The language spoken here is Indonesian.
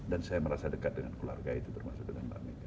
dan saya merasa dekat dengan keluarga itu termasuk dengan mbak mega